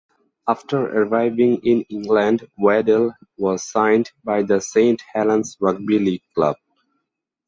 After arriving in England Waddell was signed by the St Helens Rugby League Club.